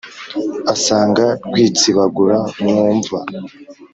Asanga Rwitsibagura mwumva,